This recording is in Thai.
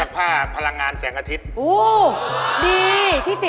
กะละมังกับแป๊งนี่แหละ